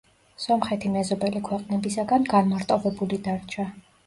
სომხეთი მეზობელი ქვეყნებისაგან განმარტოვებული დარჩა.